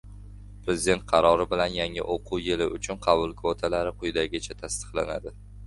Prezident qarori bilan yangi o‘quv yili uchun qabul kvotalari quyidagicha tasdiqlandi...